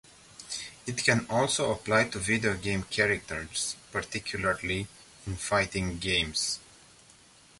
It can also apply to video game characters, particularly in fighting games.